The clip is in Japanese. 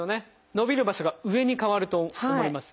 伸びる場所が上に変わると思います。